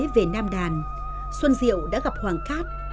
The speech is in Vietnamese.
về nam đàn xuân diệu đã gặp hoàng cát